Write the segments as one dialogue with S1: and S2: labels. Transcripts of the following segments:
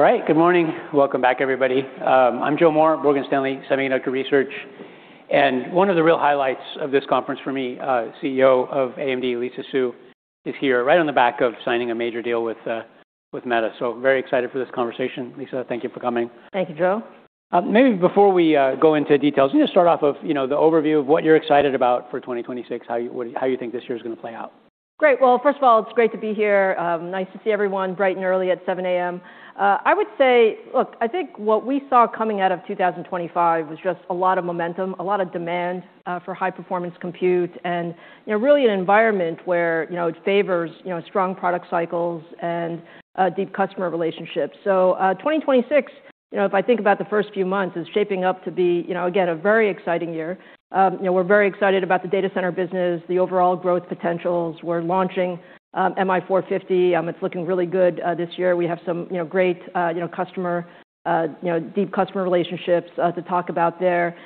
S1: All right. Good morning. Welcome back, everybody. I'm Joseph Moore, Morgan Stanley, semiconductor research. One of the real highlights of this conference for me, CEO of AMD, Lisa Su, is here right on the back of signing a major deal with Meta. Very excited for this conversation. Lisa, thank you for coming.
S2: Thank you, Joe.
S1: Maybe before we go into details, can you just start off of, you know, the overview of what you're excited about for 2026, how you think this year is going to play out?
S2: Great. Well, first of all, it's great to be here. Nice to see everyone bright and early at 7:00 A.M. Look, I think what we saw coming out of 2025 was just a lot of momentum, a lot of demand for high-performance compute and, you know, really an environment where, you know, it favors strong product cycles and deep customer relationships. 2026, you know, if I think about the first few months, is shaping up to be, you know, again, a very exciting year. We're very excited about the data center business, the overall growth potentials. We're launching MI450. It's looking really good this year. We have some, you know, great, you know, customer, you know, deep customer relationships to talk about there.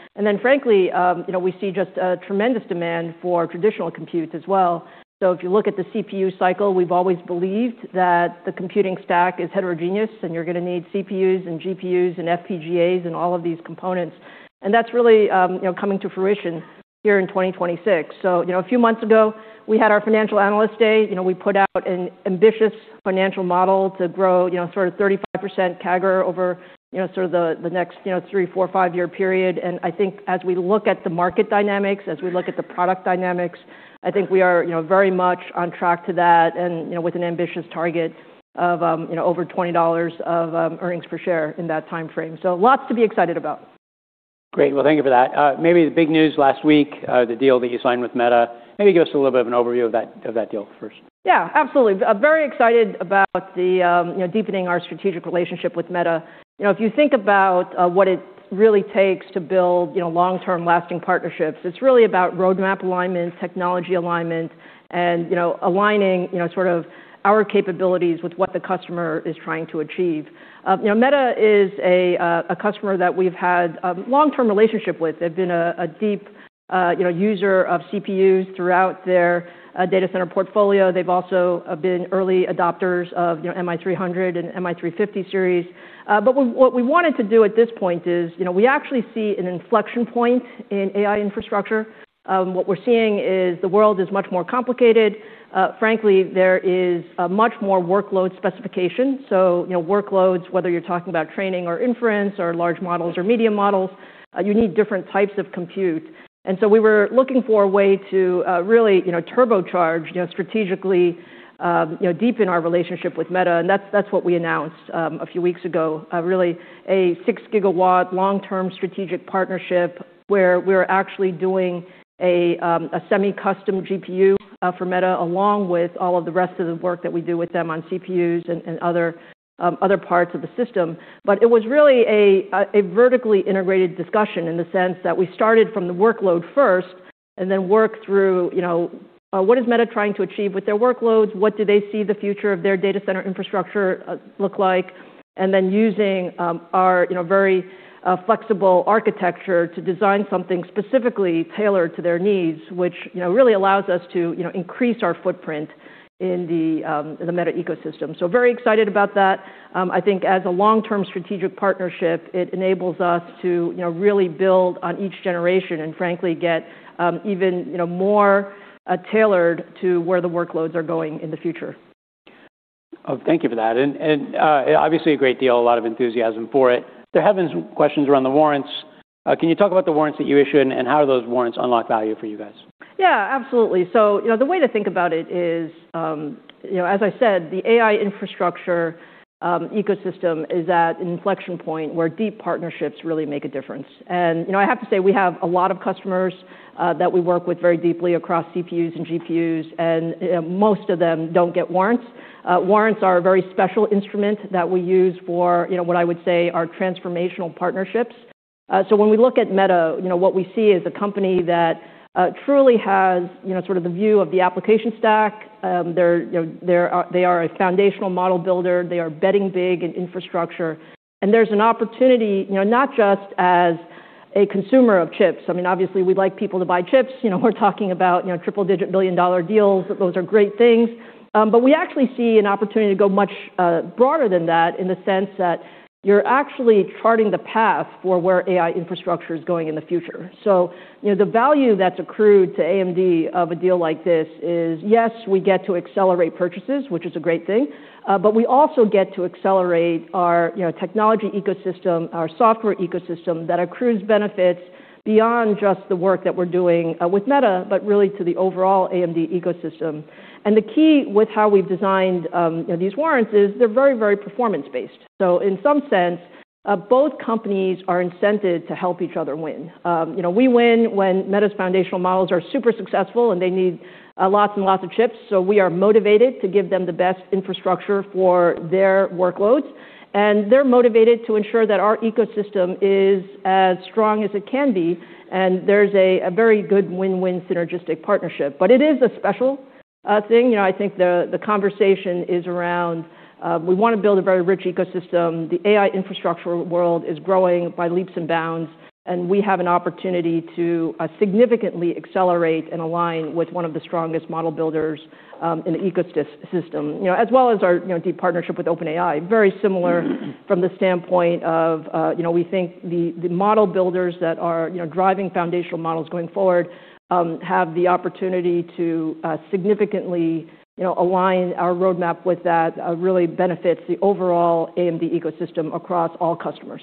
S2: Frankly, you know, we see just a tremendous demand for traditional compute as well. If you look at the CPU cycle, we've always believed that the computing stack is heterogeneous, and you're gonna need CPUs and GPUs and FPGAs and all of these components. That's really, you know, coming to fruition here in 2026. A few months ago, we had our Financial Analyst Day. You know, we put out an ambitious financial model to grow, you know, sort of 35% CAGR over, you know, sort of the next, you know, three, four, five-year period. I think as we look at the market dynamics, as we look at the product dynamics, I think we are, you know, very much on track to that and, you know, with an ambitious target of, you know, over $20 of earnings per share in that timeframe. Lots to be excited about.
S1: Great. Well, thank you for that. Maybe the big news last week, the deal that you signed with Meta. Maybe give us a little bit of an overview of that deal first.
S2: Absolutely. Very excited about the, you know, deepening our strategic relationship with Meta. You know, if you think about what it really takes to build, you know, long-term lasting partnerships, it's really about roadmap alignment, technology alignment, and, you know, aligning, you know, sort of our capabilities with what the customer is trying to achieve. You know, Meta is a customer that we've had a long-term relationship with. They've been a deep, you know, user of CPUs throughout their data center portfolio. They've also been early adopters of, you know, MI300 and MI350 series. What we wanted to do at this point is, you know, we actually see an inflection point in AI infrastructure. What we're seeing is the world is much more complicated. Frankly, there is much more workload specification. You know, workloads, whether you're talking about training or inference or large models or medium models, you need different types of compute. We were looking for a way to really, you know, turbocharge, you know, strategically, you know, deepen our relationship with Meta. That's what we announced a few weeks ago, really a 6 GW long-term strategic partnership where we're actually doing a semi-custom GPU for Meta along with all of the rest of the work that we do with them on CPUs and other parts of the system. It was really a vertically integrated discussion in the sense that we started from the workload first and then worked through, you know, what is Meta trying to achieve with their workloads? What do they see the future of their data center infrastructure look like? Using our, you know, very flexible architecture to design something specifically tailored to their needs, which, you know, really allows us to, you know, increase our footprint in the Meta ecosystem. Very excited about that. I think as a long-term strategic partnership, it enables us to, you know, really build on each generation and frankly, get, even, you know, more tailored to where the workloads are going in the future.
S1: Thank you for that. Obviously a great deal, a lot of enthusiasm for it. There have been some questions around the warrants. Can you talk about the warrants that you issued and how those warrants unlock value for you guys?
S2: Yeah, absolutely. You know, the way to think about it is, you know, as I said, the AI infrastructure ecosystem is at an inflection point where deep partnerships really make a difference. You know, I have to say we have a lot of customers that we work with very deeply across CPUs and GPUs, and most of them don't get warrants. Warrants are a very special instrument that we use for, you know, what I would say are transformational partnerships. When we look at Meta, you know, what we see is a company that truly has, you know, sort of the view of the application stack. They're, you know, they are a foundational model builder. They are betting big in infrastructure. There's an opportunity, you know, not just as a consumer of chips. I mean, obviously, we'd like people to buy chips. You know, we're talking about, you know, triple-digit billion-dollar deals. Those are great things. But we actually see an opportunity to go much broader than that in the sense that you're actually charting the path for where AI infrastructure is going in the future. You know, the value that's accrued to AMD of a deal like this is, yes, we get to accelerate purchases, which is a great thing. We also get to accelerate our, you know, technology ecosystem, our software ecosystem that accrues benefits beyond just the work that we're doing with Meta, but really to the overall AMD ecosystem. The key with how we've designed, you know, these warrants is they're very, very performance-based. In some sense, both companies are incented to help each other win. You know, we win when Meta's foundational models are super successful, and they need lots and lots of chips. We are motivated to give them the best infrastructure for their workloads. They're motivated to ensure that our ecosystem is as strong as it can be. There's a very good win-win synergistic partnership. It is a special thing. You know, I think the conversation is around, we want to build a very rich ecosystem. The AI infrastructure world is growing by leaps and bounds, and we have an opportunity to significantly accelerate and align with one of the strongest model builders in the ecosystem. You know, as well as our, you know, deep partnership with OpenAI. Very similar from the standpoint of, you know, we think the model builders that are, you know, driving foundational models going forward, have the opportunity to significantly, you know, align our roadmap with that, really benefits the overall AMD ecosystem across all customers.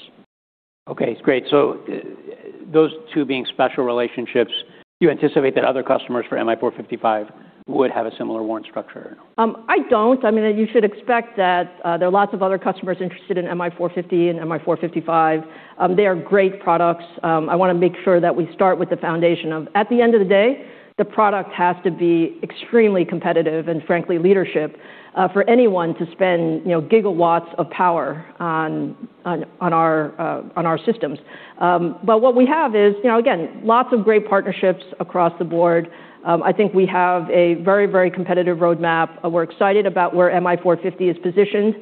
S1: Okay, great. Those two being special relationships, do you anticipate that other customers for MI455 would have a similar warrant structure?
S2: I don't. I mean, you should expect that there are lots of other customers interested in MI450 and MI455. They are great products. I wanna make sure that we start with the foundation of at the end of the day, the product has to be extremely competitive and frankly, leadership for anyone to spend, you know, gigawatts of power on our systems. What we have is, you know, again, lots of great partnerships across the board. I think we have a very, very competitive roadmap. We're excited about where MI450 is positioned,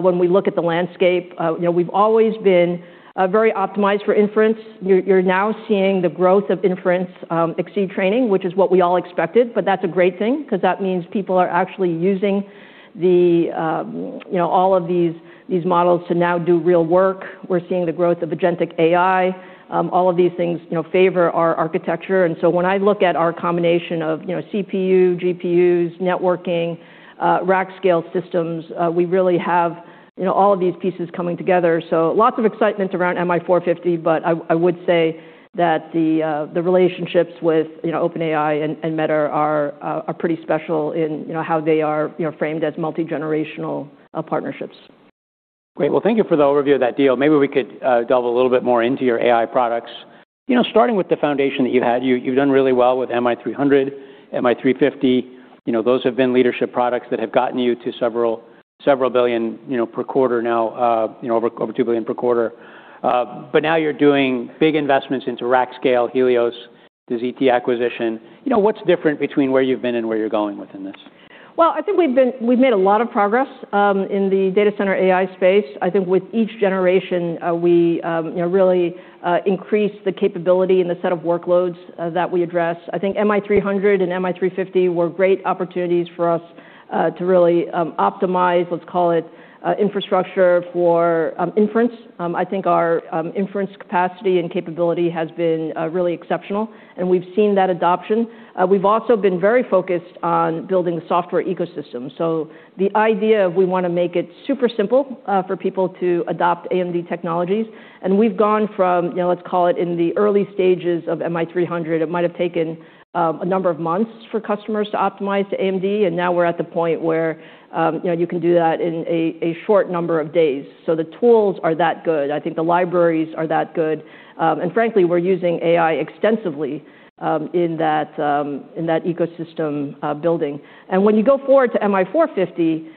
S2: when we look at the landscape. You know, we've always been very optimized for inference. You're now seeing the growth of inference exceed training, which is what we all expected, but that's a great thing 'cause that means people are actually using the, you know, all of these models to now do real work. We're seeing the growth of agentic AI. All of these things, you know, favor our architecture. When I look at our combination of, you know, CPU, GPUs, networking, rack-scale systems, we really have, you know, all of these pieces coming together. Lots of excitement around MI450, but I would say that the relationships with, you know, OpenAI and Meta are pretty special in, you know, how they are, you know, framed as multi-generational partnerships.
S1: Great. Well, thank you for the overview of that deal. Maybe we could delve a little bit more into your AI products. You know, starting with the foundation that you had, you've done really well with MI300, MI350. You know, those have been leadership products that have gotten you to several billion, you know, per quarter now, you know, over $2 billion per quarter. Now you're doing big investments into rack-scale, Helios, the ZT acquisition. You know, what's different between where you've been and where you're going within this?
S2: Well, I think we've made a lot of progress in the data center AI space. I think with each generation, we, you know, really increase the capability and the set of workloads that we address. I think MI300 and MI350 were great opportunities for us to really optimize, let's call it, infrastructure for inference. I think our inference capacity and capability has been really exceptional, and we've seen that adoption. We've also been very focused on building the software ecosystem. The idea of we wanna make it super simple for people to adopt AMD technologies, and we've gone from, you know, let's call it in the early stages of MI300, it might have taken a number of months for customers to optimize to AMD, and now we're at the point where, you know, you can do that in a short number of days. The tools are that good. I think the libraries are that good. Frankly, we're using AI extensively in that in that ecosystem building. When you go forward to MI450, you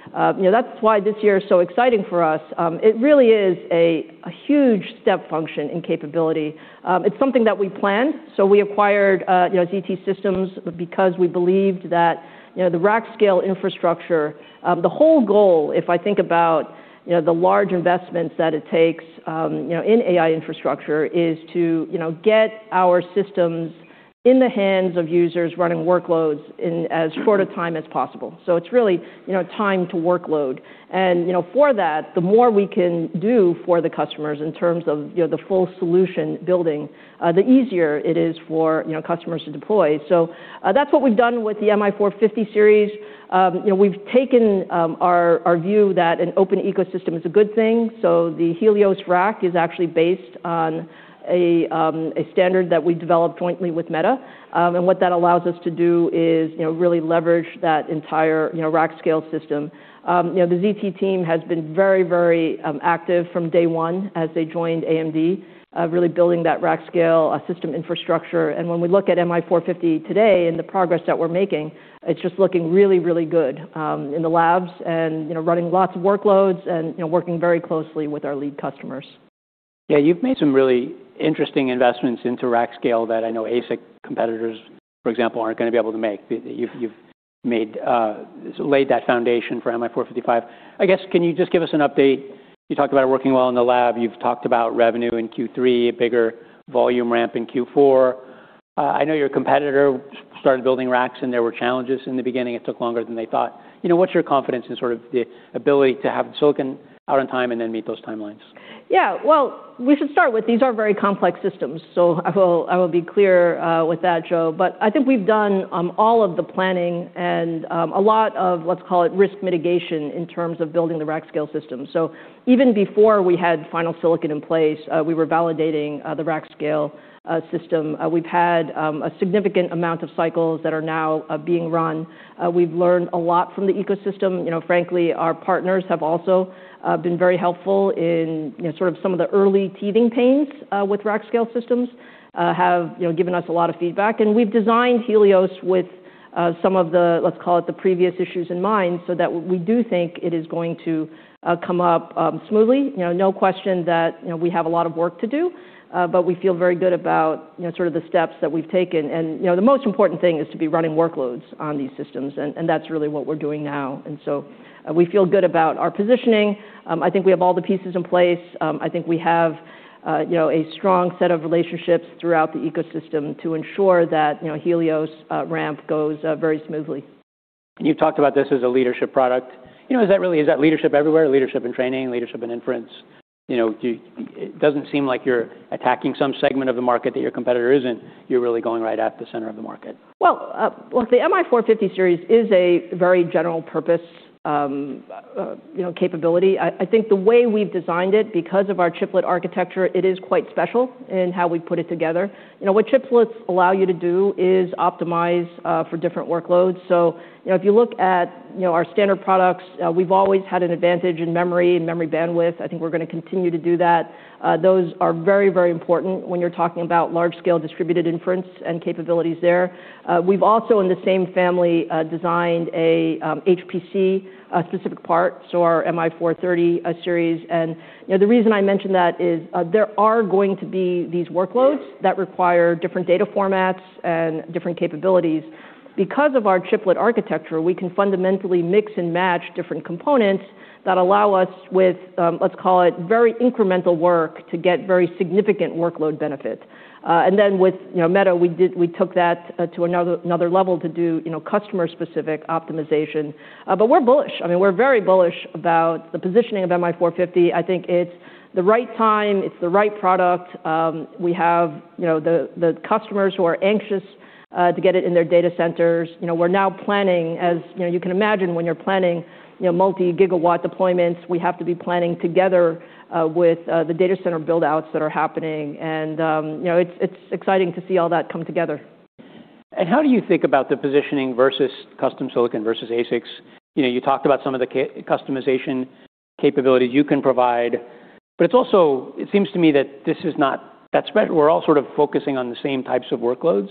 S2: know, that's why this year is so exciting for us. It really is a huge step function in capability. It's something that we planned. We acquired, you know, ZT Systems because we believed that, you know, the rack scale infrastructure, the whole goal, if I think about, you know, the large investments that it takes, in AI infrastructure, is to, you know, get our systems in the hands of users running workloads in as short a time as possible. It's really, you know, time to workload. You know, for that, the more we can do for the customers in terms of, you know, the full solution building, the easier it is for, you know, customers to deploy. That's what we've done with the MI450 series. You know, we've taken our view that an open ecosystem is a good thing. The Helios rack is actually based on a standard that we developed jointly with Meta. What that allows us to do is, you know, really leverage that entire, you know, rack-scale system. You know, the ZT team has been very, very active from day one as they joined AMD, really building that rack-scale system infrastructure. When we look at MI450 today and the progress that we're making, it's just looking really, really good in the labs and, you know, running lots of workloads and, you know, working very closely with our lead customers.
S1: You've made some really interesting investments into rack-scale that I know ASIC competitors, for example, aren't gonna be able to make. You've made laid that foundation for MI455. I guess, can you just give us an update? You talked about working well in the lab. You've talked about revenue in Q3, a bigger volume ramp in Q4. I know your competitor started building racks, and there were challenges in the beginning. It took longer than they thought. You know, what's your confidence in sort of the ability to have silicon out in time and then meet those timelines?
S2: Yeah. Well, we should start with these are very complex systems. I will be clear with that, Joe. I think we've done all of the planning and a lot of, let's call it risk mitigation in terms of building the rack-scale system. Even before we had final silicon in place, we were validating the rack-scale system. We've had a significant amount of cycles that are now being run. We've learned a lot from the ecosystem. You know, frankly, our partners have also been very helpful in, you know, sort of some of the early teething pains with rack-scale systems, have, you know, given us a lot of feedback. We've designed Helios with, some of the, let's call it the previous issues in mind so that we do think it is going to come up smoothly. You know, no question that, you know, we have a lot of work to do, but we feel very good about, you know, sort of the steps that we've taken. You know, the most important thing is to be running workloads on these systems, and that's really what we're doing now. We feel good about our positioning. I think we have all the pieces in place. I think we have a strong set of relationships throughout the ecosystem to ensure that, you know, Helios ramp goes very smoothly.
S1: You talked about this as a leadership product. You know, is that really leadership everywhere, leadership in training, leadership in inference? You know, it doesn't seem like you're attacking some segment of the market that your competitor isn't. You're really going right at the center of the market.
S2: Look, the MI450 series is a very general purpose, you know, capability. I think the way we've designed it, because of our chiplet architecture, it is quite special in how we put it together. You know, what chiplets allow you to do is optimize for different workloads. You know, if you look at, you know, our standard products, we've always had an advantage in memory and memory bandwidth. I think we're gonna continue to do that. Those are very, very important when you're talking about large-scale distributed inference and capabilities there. We've also, in the same family, designed a HPC specific part, so our MI430 series. You know, the reason I mention that is, there are going to be these workloads that require different data formats and different capabilities. Because of our chiplet architecture, we can fundamentally mix and match different components that allow us with, let's call it very incremental work to get very significant workload benefits. With, you know, Meta, we took that to another level to do, you know, customer-specific optimization. We're bullish. I mean, we're very bullish about the positioning of MI450. I think it's the right time. It's the right product. We have, you know, the customers who are anxious to get it in their data centers. You know, we're now planning You know, you can imagine when you're planning, you know, multi-gigawatt deployments, we have to be planning together with the data center build-outs that are happening. You know, it's exciting to see all that come together.
S1: How do you think about the positioning versus custom silicon versus ASICs? You know, you talked about some of the customization capabilities you can provide, but it seems to me that this is not that spread. We're all sort of focusing on the same types of workloads.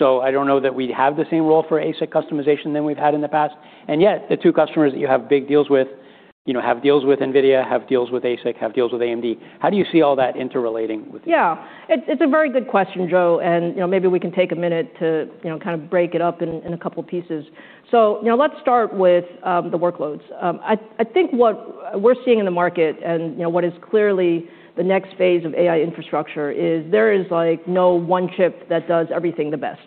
S1: I don't know that we have the same role for ASIC customization than we've had in the past. Yet the two customers that you have big deals with, you know, have deals with NVIDIA, have deals with ASIC, have deals with AMD. How do you see all that interrelating with each other?
S2: Yeah. It's, it's a very good question, Joe, and, you know, maybe we can take a minute to, you know, kind of break it up in a couple pieces. You know, let's start with the workloads. I think what we're seeing in the market and, you know, what is clearly the next phase of AI infrastructure is there is, like, no one chip that does everything the best.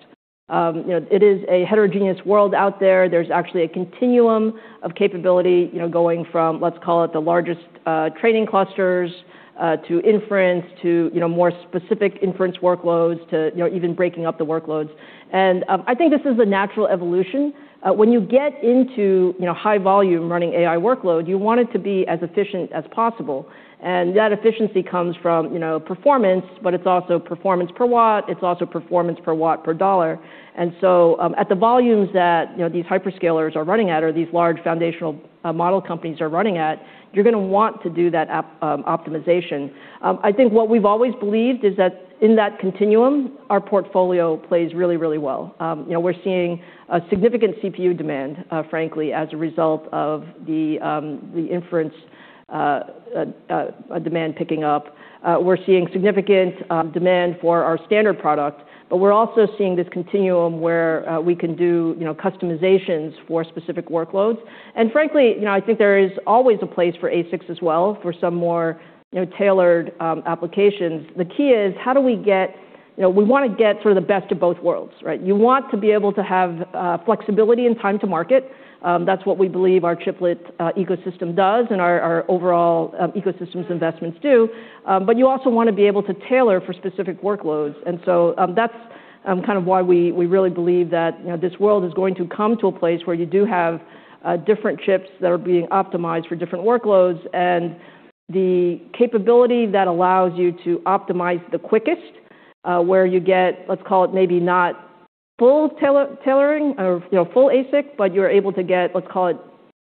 S2: You know, it is a heterogeneous world out there. There's actually a continuum of capability, you know, going from, let's call it the largest training clusters to inference to, you know, more specific inference workloads to, you know, even breaking up the workloads. I think this is a natural evolution. When you get into, you know, high volume running AI workload, you want it to be as efficient as possible. That efficiency comes from, you know, performance, but it's also performance per watt. It's also performance per watt per dollar. At the volumes that, you know, these hyperscalers are running at or these large foundational model companies are running at, you're gonna want to do that optimization. I think what we've always believed is that in that continuum, our portfolio plays really, really well. You know, we're seeing a significant CPU demand, frankly, as a result of the inference demand picking up. We're seeing significant demand for our standard product, but we're also seeing this continuum where we can do, you know, customizations for specific workloads. Frankly, you know, I think there is always a place for ASICs as well for some more, you know, tailored applications. The key is You know, we wanna get sort of the best of both worlds, right? You want to be able to have flexibility and time to market. That's what we believe our chiplet ecosystem does and our overall, ecosystems investments do. You also wanna be able to tailor for specific workloads. That's kind of why we really believe that, you know, this world is going to come to a place where you do have different chips that are being optimized for different workloads and the capability that allows you to optimize the quickest, where you get, let's call it maybe not full tailoring or, you know, full ASIC, but you're able to get, let's call it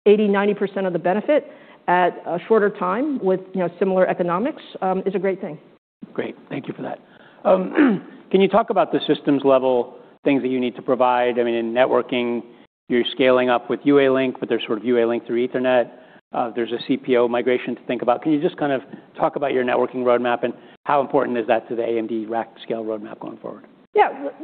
S2: 80%, 90% of the benefit at a shorter time with, you know, similar economics, is a great thing.
S1: Great. Thank you for that. Can you talk about the systems level things that you need to provide? I mean, in networking, you're scaling up with UALink, but there's sort of UALink through Ethernet. There's a CPO migration to think about. Can you just kind of talk about your networking roadmap and how important is that to the AMD rack-scale roadmap going forward?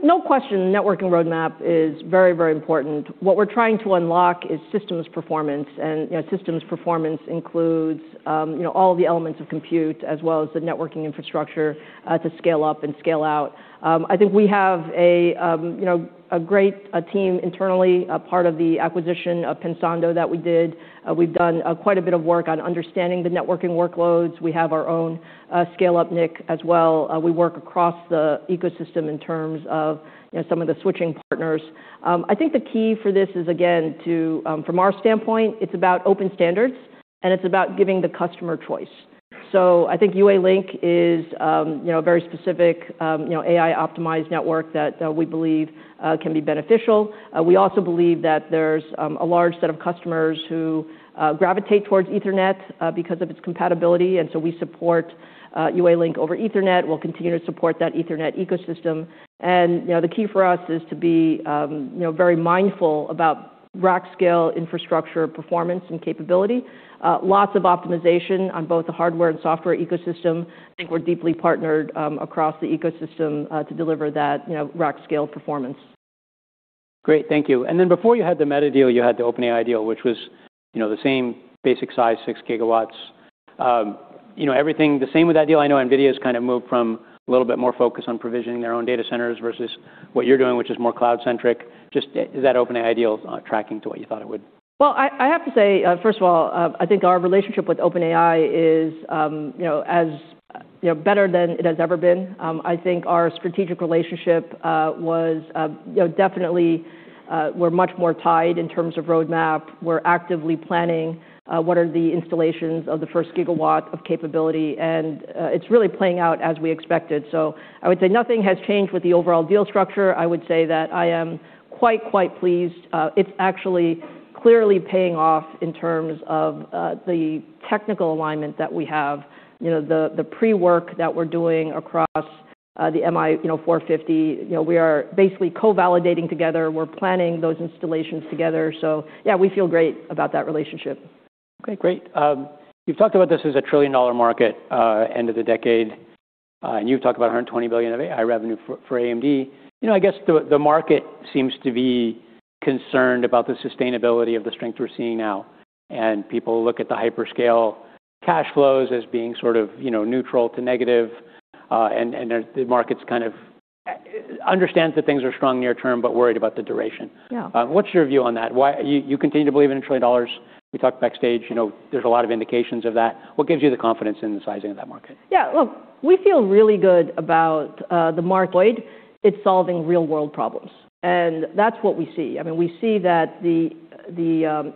S2: No question, networking roadmap is very, very important. What we're trying to unlock is systems performance, you know, systems performance includes, you know, all the elements of compute as well as the networking infrastructure to scale up and scale out. I think we have a, you know, a great team internally, a part of the acquisition of Pensando that we did. We've done quite a bit of work on understanding the networking workloads. We have our own scale-up NIC as well. We work across the ecosystem in terms of, you know, some of the switching partners. I think the key for this is, again, to, from our standpoint, it's about open standards, and it's about giving the customer choice. So I think UALink is, you know, a very specific, you know, AI-optimized network that we believe can be beneficial. We also believe that there's a large set of customers who gravitate towards Ethernet because of its compatibility, and so we support UALink over Ethernet. We'll continue to support that Ethernet ecosystem. You know, the key for us is to be, you know, very mindful about rack-scale infrastructure performance and capability. Lots of optimization on both the hardware and software ecosystem. I think we're deeply partnered across the ecosystem to deliver that, you know, rack-scale performance.
S1: Great. Thank you. Before you had the Meta deal, you had the OpenAI deal, which was, you know, the same basic size, 6 GW. You know, everything the same with that deal. I know NVIDIA's kind of moved from a little bit more focus on provisioning their own data centers versus what you're doing, which is more cloud-centric. Is that OpenAI deal tracking to what you thought it would?
S2: Well, I have to say, first of all, I think our relationship with OpenAI is, you know, as, you know, better than it has ever been. I think our strategic relationship was, you know, definitely, we're much more tied in terms of roadmap. We're actively planning, what are the installations of the first gigawatt of capability, and it's really playing out as we expected. I would say nothing has changed with the overall deal structure. I would say that I am quite pleased. It's actually clearly paying off in terms of the technical alignment that we have. You know, the pre-work that we're doing across the MI, you know, 450. You know, we are basically co-validating together. We're planning those installations together. Yeah, we feel great about that relationship.
S1: Okay, great. You've talked about this as a $1 trillion market end of the decade, and you've talked about $120 billion of AI revenue for AMD. You know, I guess the market seems to be concerned about the sustainability of the strength we're seeing now. People look at the hyperscale cash flows as being sort of, you know, neutral to negative. The market's kind of understands that things are strong near term, but worried about the duration.
S2: Yeah.
S1: What's your view on that? You continue to believe in $1 trillion. We talked backstage, you know, there's a lot of indications of that. What gives you the confidence in the sizing of that market?
S2: Yeah. Look, we feel really good about the market. It's solving real-world problems, and that's what we see. I mean, we see that the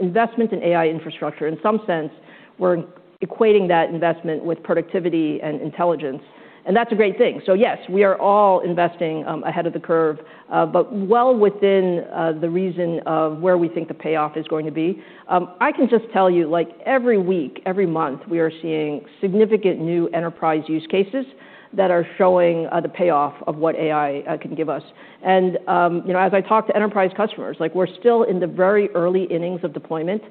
S2: investment in AI infrastructure, in some sense, we're equating that investment with productivity and intelligence, and that's a great thing. Yes, we are all investing ahead of the curve, but well within the reason of where we think the payoff is going to be. I can just tell you, like, every week, every month, we are seeing significant new enterprise use cases that are showing the payoff of what AI can give us. You know, as I talk to enterprise customers, like, we're still in the very early innings of deployment.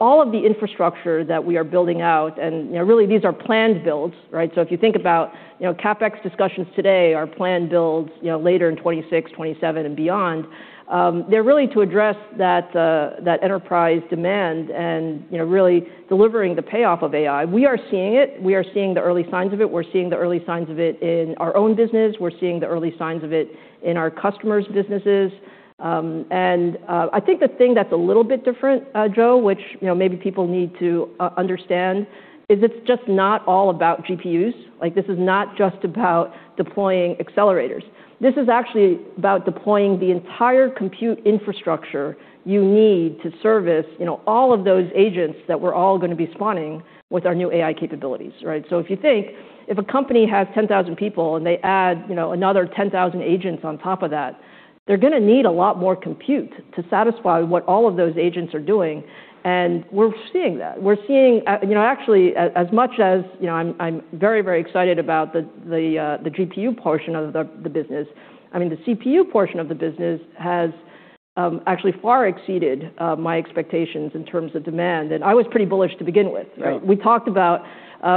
S2: All of the infrastructure that we are building out, and, you know, really these are planned builds, right? If you think about, you know, CapEx discussions today are planned builds, you know, later in 2026, 2027, and beyond. They're really to address that enterprise demand and, you know, really delivering the payoff of AI. We are seeing it. We are seeing the early signs of it. We're seeing the early signs of it in our own business. We're seeing the early signs of it in our customers' businesses. I think the thing that's a little bit different, Joe, which, you know, maybe people need to understand, is it's just not all about GPUs. Like, this is not just about deploying accelerators. This is actually about deploying the entire compute infrastructure you need to service, you know, all of those agents that we're all gonna be spawning with our new AI capabilities, right? If you think if a company has 10,000 people, and they add, you know, another 10,000 agents on top of that, they're gonna need a lot more compute to satisfy what all of those agents are doing, and we're seeing that. We're seeing actually, as much as, you know, I'm very, very excited about the GPU portion of the business, I mean, the CPU portion of the business has actually far exceeded my expectations in terms of demand. I was pretty bullish to begin with, right?
S1: Yeah.
S2: We talked about,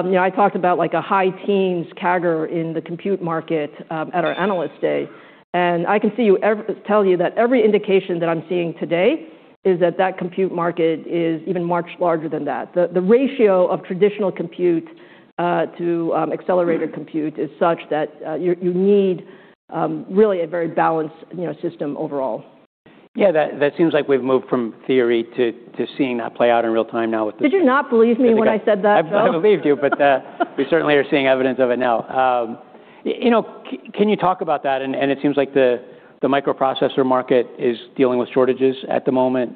S2: you know, I talked about like a high teens CAGR in the compute market at our Analyst Day. I can tell you that every indication that I'm seeing today is that that compute market is even much larger than that. The ratio of traditional compute to accelerated compute is such that you need really a very balanced, you know, system overall.
S1: Yeah, that seems like we've moved from theory to seeing that play out in real time now.
S2: Did you not believe me when I said that, Joe?
S1: I believed you, but we certainly are seeing evidence of it now. you know, can you talk about that? It seems like the microprocessor market is dealing with shortages at the moment.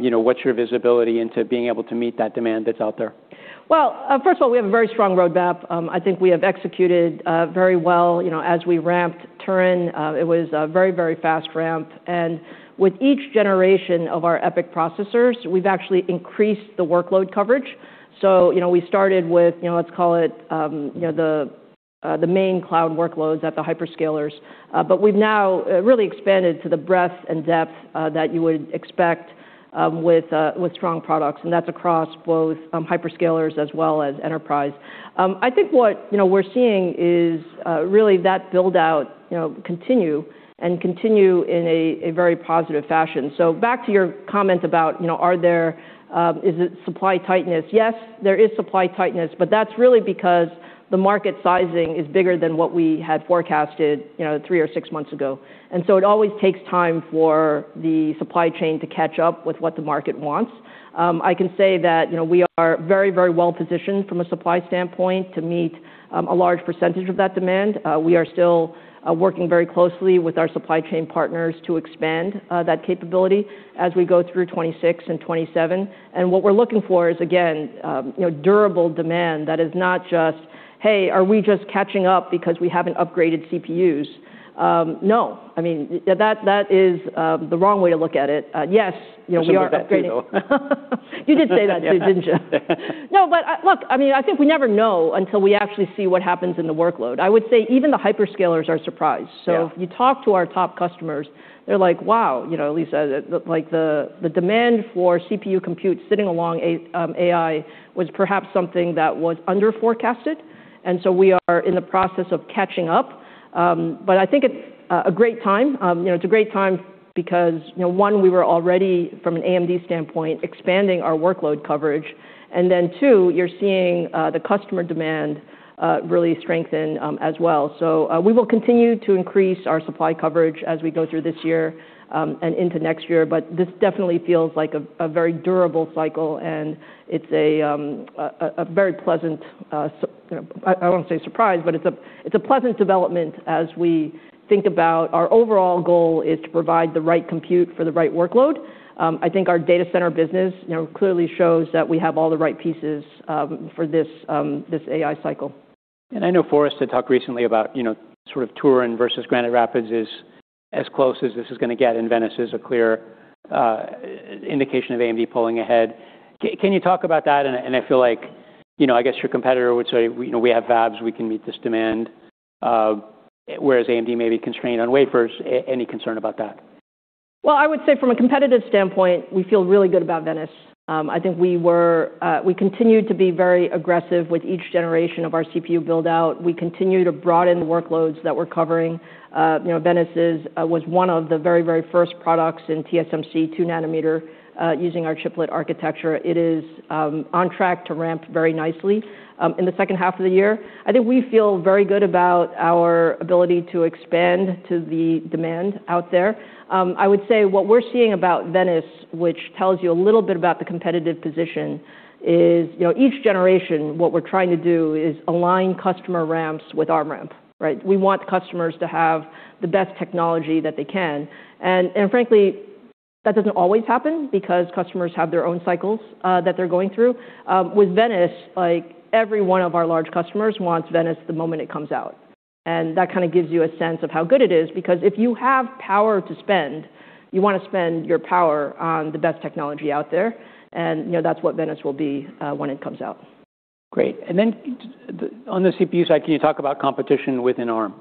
S1: you know, what's your visibility into being able to meet that demand that's out there?
S2: Well, first of all, we have a very strong roadmap. I think we have executed very well. You know, as we ramped Turin, it was a very, very fast ramp. With each generation of our EPYC processors, we've actually increased the workload coverage. You know, we started with, you know, let's call it, you know, the main cloud workloads at the hyperscalers. We've now really expanded to the breadth and depth that you would expect-with strong products, and that's across both hyperscalers as well as enterprise. I think what, you know, we're seeing is really that build-out, you know, continue in a very positive fashion. Back to your comment about, you know, are there, is it supply tightness? Yes, there is supply tightness. That's really because the market sizing is bigger than what we had forecasted, you know, three or six months ago. It always takes time for the supply chain to catch up with what the market wants. I can say that, you know, we are very, very well positioned from a supply standpoint to meet a large percentage of that demand. We are still working very closely with our supply chain partners to expand that capability as we go through 2026 and 2027. What we're looking for is, again, you know, durable demand that is not just, "Hey, are we just catching up because we haven't upgraded CPUs?" No. I mean, that is the wrong way to look at it. Yes, you know, we are upgrading-
S1: I said that though.
S2: You did say that too, didn't you?
S1: Yeah.
S2: No, Look, I mean, I think we never know until we actually see what happens in the workload. I would say even the hyperscalers are surprised.
S1: Yeah.
S2: If you talk to our top customers, they're like, "Wow, you know, Lisa, the, like, the demand for CPU compute sitting along AI was perhaps something that was under-forecasted." We are in the process of catching up. I think it's a great time. You know, it's a great time because, you know, one, we were already, from an AMD standpoint, expanding our workload coverage, and then two, you're seeing the customer demand really strengthen as well. We will continue to increase our supply coverage as we go through this year and into next year. This definitely feels like a very durable cycle, and it's a very pleasant I won't say surprise, but it's a pleasant development as we think about our overall goal is to provide the right compute for the right workload. I think our data center business, you know, clearly shows that we have all the right pieces for this AI cycle.
S1: I know Forrest had talked recently about, you know, sort of Turin versus Granite Rapids as close as this is gonna get, and Venice is a clear indication of AMD pulling ahead. Can you talk about that? I feel like, you know, I guess your competitor would say, "You know, we have fabs, we can meet this demand," whereas AMD may be constrained on wafers. Any concern about that?
S2: I would say from a competitive standpoint, we feel really good about Venice. I think we continued to be very aggressive with each generation of our CPU build-out. We continue to broaden the workloads that we're covering. you know, Venice was one of the very, very first products in TSMC 2-Nanometer, using our chiplet architecture. It is on track to ramp very nicely in the second half of the year. I think we feel very good about our ability to expand to the demand out there. I would say what we're seeing about Venice, which tells you a little bit about the competitive position, is, you know, each generation, what we're trying to do is align customer ramps with our ramp, right? We want customers to have the best technology that they can. Frankly, that doesn't always happen because customers have their own cycles that they're going through. With Venice, like, every one of our large customers wants Venice the moment it comes out. That kinda gives you a sense of how good it is because if you have power to spend, you wanna spend your power on the best technology out there, you know, that's what Venice will be when it comes out.
S1: Great. Then on the CPU side, can you talk about competition within ARM?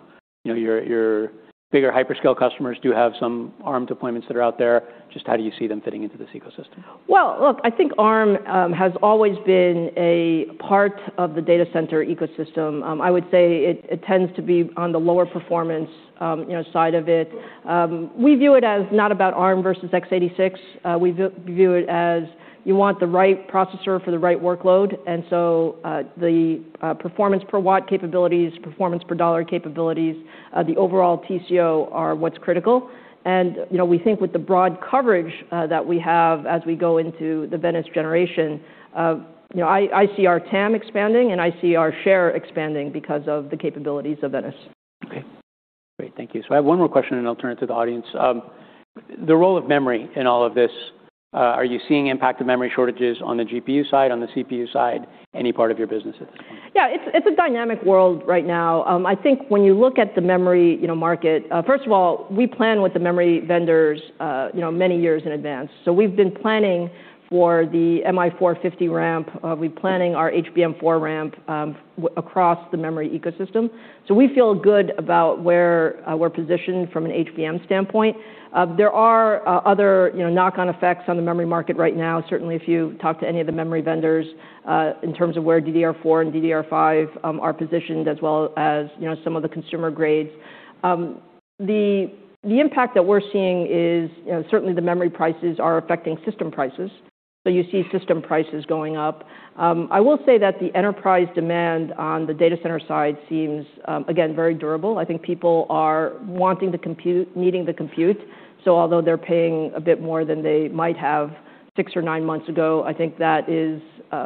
S1: You know, your bigger hyperscale customers do have some ARM deployments that are out there. Just how do you see them fitting into this ecosystem?
S2: Look, I think ARM has always been a part of the data center ecosystem. I would say it tends to be on the lower performance, you know, side of it. We view it as not about ARM versus X86. We view it as you want the right processor for the right workload, the performance per watt capabilities, performance per dollar capabilities, the overall TCO are what's critical. You know, we think with the broad coverage that we have as we go into the Venice generation, you know, I see our TAM expanding, and I see our share expanding because of the capabilities of Venice.
S1: Okay, great. Thank you. I have one more question, and then I'll turn it to the audience. The role of memory in all of this, are you seeing impact of memory shortages on the GPU side, on the CPU side, any part of your business at this point?
S2: It's, it's a dynamic world right now. I think when you look at the memory, you know, market. First of all, we plan with the memory vendors, you know, many years in advance. We've been planning for the MI450 ramp. We're planning our HBM4 ramp across the memory ecosystem. We feel good about where we're positioned from an HBM standpoint. There are other, you know, knock-on effects on the memory market right now, certainly if you talk to any of the memory vendors, in terms of where DDR4 and DDR5 are positioned, as well as, you know, some of the consumer grades. The impact that we're seeing is, you know, certainly the memory prices are affecting system prices. You see system prices going up. I will say that the enterprise demand on the data center side seems again, very durable. I think people are wanting to compute, needing to compute. Although they're paying a bit more than they might have six or nine months ago, I think that is, you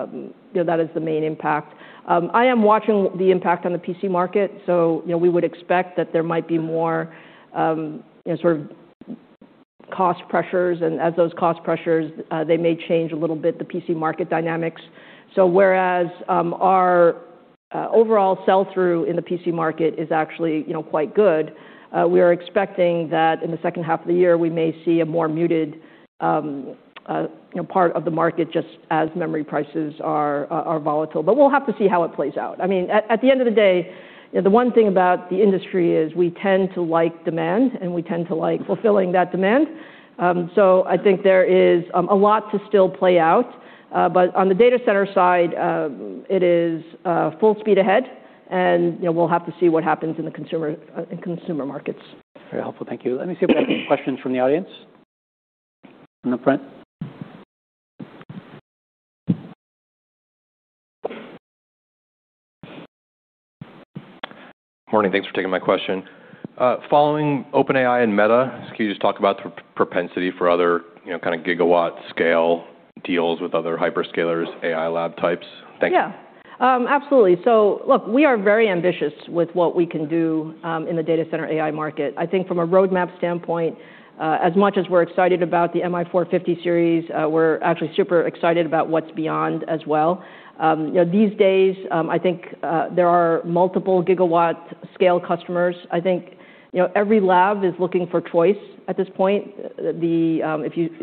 S2: know, that is the main impact. I am watching the impact on the PC market. You know, we would expect that there might be more, you know, sort of cost pressures, and as those cost pressures, they may change a little bit the PC market dynamics. Whereas our overall sell-through in the PC market is actually, you know, quite good, we are expecting that in the second half of the year we may see a more muted, you know, part of the market just as memory prices are volatile. We'll have to see how it plays out. I mean, at the end of the day, you know, the one thing about the industry is we tend to like demand, and we tend to like fulfilling that demand. I think there is a lot to still play out. On the data center side, it is full speed ahead, and, you know, we'll have to see what happens in the consumer markets.
S1: Very helpful. Thank you. Let me see if we have any questions from the audience. In the front.
S3: Morning. Thanks for taking my question. Following OpenAI and Meta, can you just talk about the propensity for other, kind of gigawatt scale deals with other hyperscalers, AI lab types? Thank you.
S2: Absolutely. Look, we are very ambitious with what we can do in the data center AI market. I think from a roadmap standpoint, as much as we're excited about the MI450 series, we're actually super excited about what's beyond as well. You know, these days, I think there are multiple gigawatt scale customers. I think, you know, every lab is looking for choice at this point. You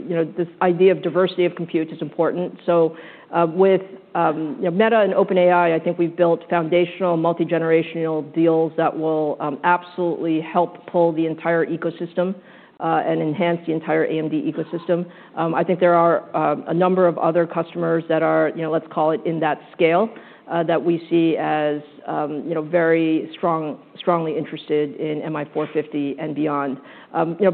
S2: know, this idea of diversity of compute is important. With, you know, Meta and OpenAI, I think we've built foundational multi-generational deals that will absolutely help pull the entire ecosystem and enhance the entire AMD ecosystem. I think there are a number of other customers that are, let's call it in that scale, that we see as strongly interested in MI450 and beyond.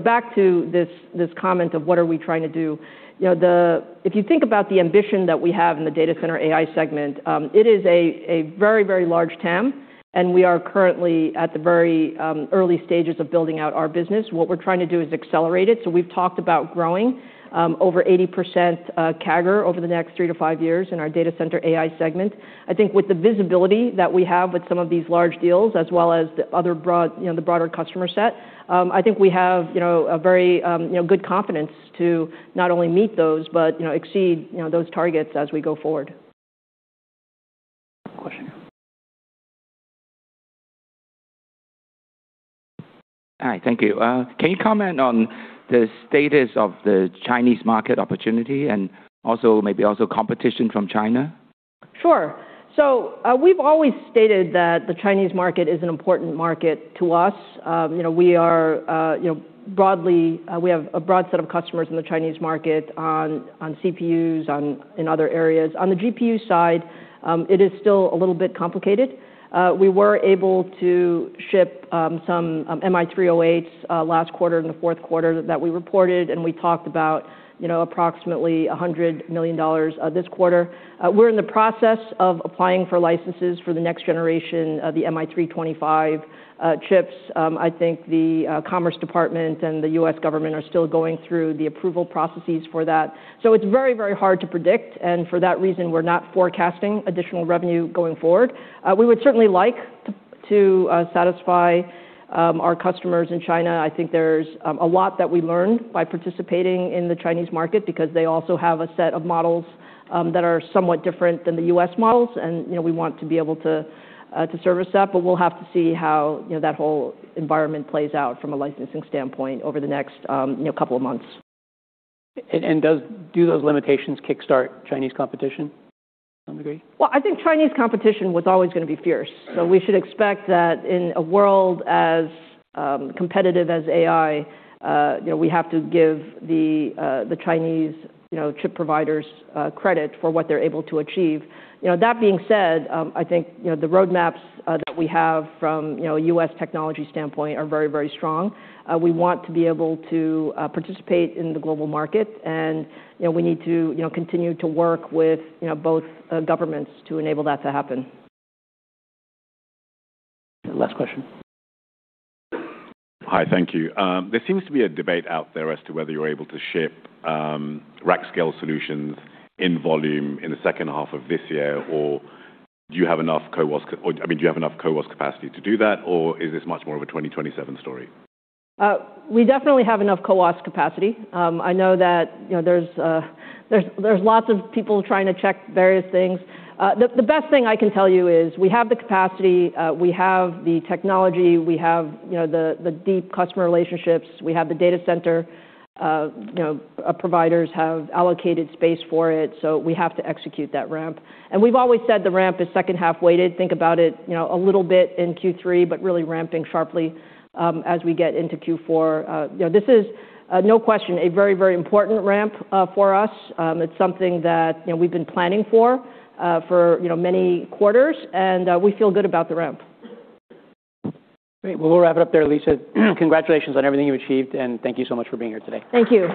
S2: Back to this comment of what are we trying to do. If you think about the ambition that we have in the data center AI segment, it is a very, very large TAM, and we are currently at the very early stages of building out our business. What we're trying to do is accelerate it. We've talked about growing over 80% CAGR over the next three-five years in our data center AI segment. I think with the visibility that we have with some of these large deals, as well as the other broad, you know, the broader customer set, I think we have, you know, a very, you know, good confidence to not only meet those but, you know, exceed, you know, those targets as we go forward.
S1: Question.
S3: Hi. Thank you. Can you comment on the status of the Chinese market opportunity and maybe also competition from China?
S2: Sure. We've always stated that the Chinese market is an important market to us. You know, we are, you know, we have a broad set of customers in the Chinese market on CPUs, in other areas. On the GPU side, it is still a little bit complicated. We were able to ship some MI308s last quarter, in the fourth quarter that we reported, and we talked about, you know, approximately $100 million this quarter. We're in the process of applying for licenses for the next generation of the MI325 chips. I think the Department of Commerce and the U.S. Government are still going through the approval processes for that. It's very, very hard to predict, and for that reason we're not forecasting additional revenue going forward. We would certainly like to satisfy our customers in China. I think there's a lot that we learned by participating in the Chinese market because they also have a set of models that are somewhat different than the U.S. models and, you know, we want to be able to service that. We'll have to see how, you know, that whole environment plays out from a licensing standpoint over the next, you know, couple of months.
S1: Do those limitations kickstart Chinese competition to some degree?
S2: I think Chinese competition was always gonna be fierce. We should expect that in a world as competitive as AI, you know, we have to give the Chinese, you know, chip providers credit for what they're able to achieve. You know, that being said, I think, you know, the roadmaps that we have from, you know, a U.S. technology standpoint are very, very strong. We want to be able to participate in the global market and, you know, we need to, you know, continue to work with, you know, both governments to enable that to happen.
S1: Last question.
S4: Hi. Thank you. There seems to be a debate out there as to whether you're able to ship, rack-scale solutions in volume in the second half of this year or, I mean, do you have enough CoWoS capacity to do that or is this much more of a 2027 story?
S2: We definitely have enough CoWoS capacity. I know that, you know, there's lots of people trying to check various things. The best thing I can tell you is we have the capacity, we have the technology, we have, you know, the deep customer relationships, we have the data center, you know, providers have allocated space for it, so we have to execute that ramp. We've always said the ramp is second half weighted. Think about it, you know, a little bit in Q3, but really ramping sharply, as we get into Q4. You know, this is no question, a very, very important ramp for us. It's something that, you know, we've been planning for, you know, many quarters and we feel good about the ramp.
S1: Great. We'll wrap it up there, Lisa. Congratulations on everything you've achieved, and thank you so much for being here today.
S2: Thank you.